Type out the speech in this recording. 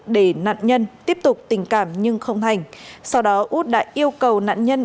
để nạn nhân tiếp tục tình cảm nhưng không thành sau đó út đã yêu cầu nạn nhân